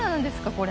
これ。